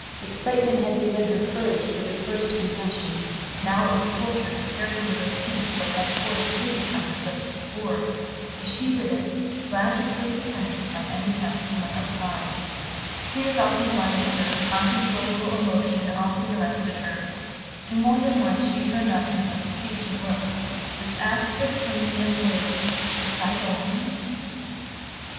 Excitement had given her courage for the first confession, now it was torture to carefully repeat what had poured freely from her lips before. But she did it, glad to prove her penitence by any test he might apply. Tears often blinded her, uncontrollable emotion often arrested her; and more than once she turned on him a beseeching look, which asked as plainly as words, "Must I go on?"